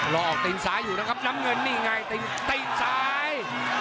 รอออกตีนซ้ายอยู่นะครับน้ำเงินนี่ไงตีนซ้าย